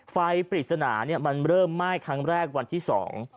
ปริศนาเนี่ยมันเริ่มไหม้ครั้งแรกวันที่สอง